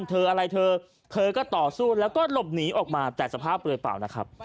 เธออะไรเธอเธอก็ต่อสู้แล้วก็หลบหนีออกมาแต่สภาพเปลือยเปล่านะครับ